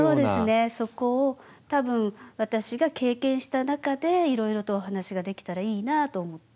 そこを多分私が経験した中でいろいろとお話ができたらいいなと思って。